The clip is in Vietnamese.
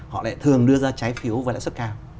họ lại thường đưa ra trái phiếu với lãi suất cao